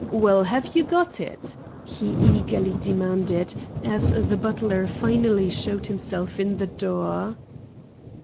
Well, have you got it?" he eagerly demanded, as the butler finally showed himself in the door.